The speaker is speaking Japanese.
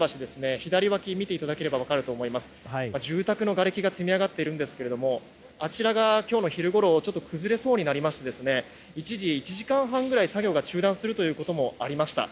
左脇を見ていただければ分かりますが住宅のがれきが積み上がっているんですがあちらが今日の昼ごろ崩れそうになりまして一時１時間半ぐらい作業が中断することもありました。